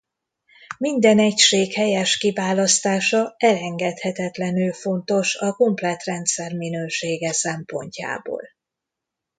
Minden egység helyes kiválasztása elengedhetetlenül fontos a komplett rendszer minősége szempontjából.